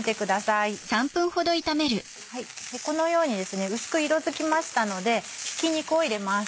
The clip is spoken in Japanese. このようにですね薄く色づきましたのでひき肉を入れます。